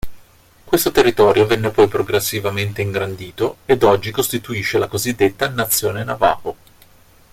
Questo territorio venne poi progressivamente ingrandito ed oggi costituisce la cosiddetta Nazione Navajo.